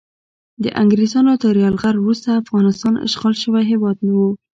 د انګریزانو تر یرغل وروسته افغانستان اشغال شوی هیواد نه و.